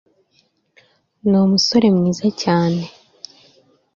ni umusore mwiza cyane